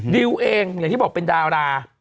ดิวเองอย่างที่บอกเป็นดารา